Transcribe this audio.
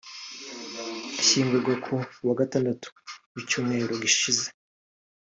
ashyingurwa ku wagatandatu w’icyumweru gishize